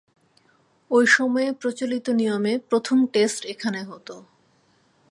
ঐ সময়ে প্রচলিত নিয়মে প্রথম টেস্ট এখানে হতো।